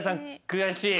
悔しい。